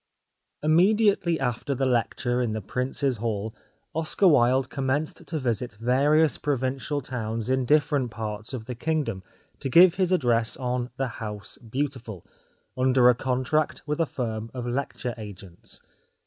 Immediately after the lecture in the Prince's Hall Oscar Wilde commenced to visit various provincial towns in different parts of the kingdom to give his address on " The House Beautiful," under a contract with a firm of lecture agents.